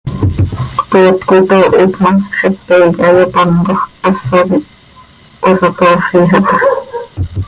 Cpoot coi toohit ma, xepe iiqui hayopáncojc, haso quih cöhasatoofija taa.